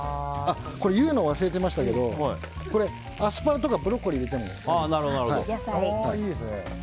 言うの忘れてましたけどアスパラとかブロッコリーを入れてもいいです。